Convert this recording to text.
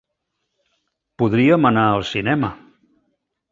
Podríem anar al cinema.